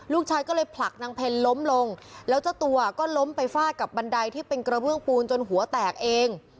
ลูกชายก็เลยผลักนางเพ็ญล้มลงแล้วเจ้าตัวก็ล้มไปฟาดกับบันไดที่เป็นกระเบื้องปูนจนหัวแตกเอง